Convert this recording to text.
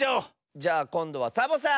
じゃあこんどはサボさん！